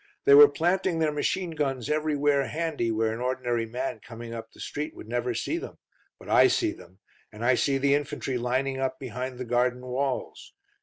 They were planting their machine guns everywhere handy where an ordinary man coming up the street would never see them, but I see them, and I see the infantry lining up behind the garden walls.